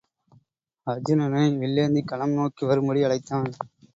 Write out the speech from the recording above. அர்ச்சுனனை வில்லேந்திக் களம் நோக்கி வரும்படி அழைத்தான்.